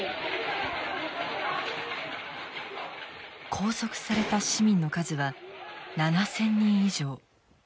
拘束された市民の数は７，０００人以上。